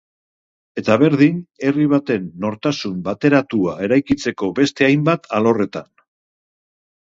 Eta berdin herri baten nortasun bateratua eraikitzeko beste hainbat alorretan.